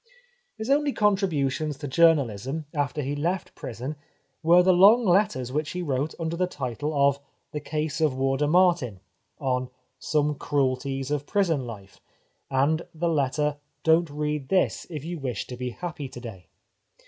" His only contributions to journalism, after he left prison, were the long letters which he wrote under the title of " The Case of Warder Martin," on " Some Cruelties of Prison Life," and the letter 280 The Life of Oscar Wilde " Don't Read This if you wish to be Happy To Day.